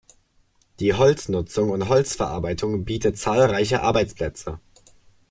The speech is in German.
Die Holznutzung und Holzverarbeitung bietet zahlreiche Arbeitsplätze.